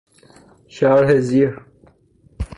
شرح زیر